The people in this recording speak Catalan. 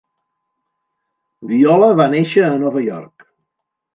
Viola va néixer a Nova York.